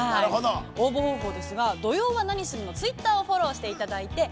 ◆応募方法ですが、土曜はナニする！？のＴｗｉｔｔｅｒをフォローしていただいて＃